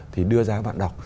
thì đưa ra các bạn đọc